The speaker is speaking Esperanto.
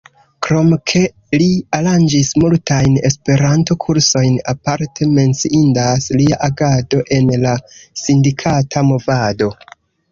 Krom ke li aranĝis multajn Esperanto-kursojn, aparte menciindas lia agado en la sindikata movado.